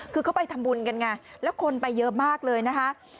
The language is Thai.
คือเขาไปทำบุญกันไงแล้วคนไปเยอะมากเลยนะคะ